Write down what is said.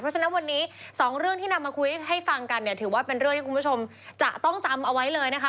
เพราะฉะนั้นวันนี้สองเรื่องที่นำมาคุยให้ฟังกันเนี่ยถือว่าเป็นเรื่องที่คุณผู้ชมจะต้องจำเอาไว้เลยนะคะ